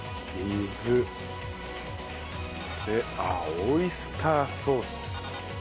でオイスターソース。